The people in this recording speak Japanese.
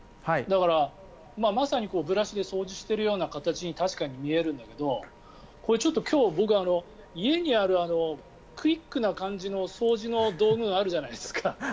だからブラシで掃除しているような形に確かに見えるんだけどちょっと今日、僕は家にあるクイックな感じの掃除の道具があるじゃないですか。